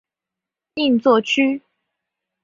应作虬。